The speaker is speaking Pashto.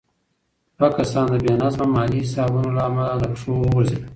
دوه کسان د بې نظمه مالي حسابونو له امله له پښو وغورځېدل.